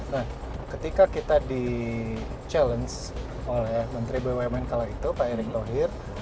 nah ketika kita di challenge oleh menteri bumn kala itu pak erick thohir